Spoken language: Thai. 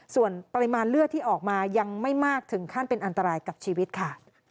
ส่วนปริมาณเลือดที่ออกมายังไม่มากถึงขั้นเป็นอันตรายกับชีวิตค่ะ